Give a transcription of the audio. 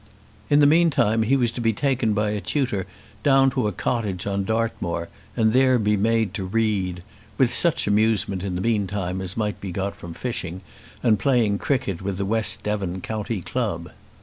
In the meantime he was to be taken by a tutor down to a cottage on Dartmoor and there be made to read, with such amusement in the meantime as might be got from fishing, and playing cricket with the West Devon county club.